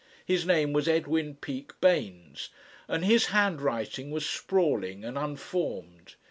His name was Edwin Peak Baynes and his handwriting was sprawling and unformed.